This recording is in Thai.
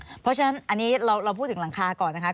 เพราะฉะนั้นอันนี้เราพูดถึงหลังคาก่อนนะคะ